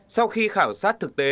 sau khi khảo sát thực tế